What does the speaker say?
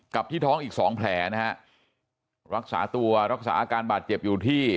ที่ท้องอีกสองแผลนะฮะรักษาตัวรักษาอาการบาดเจ็บอยู่ที่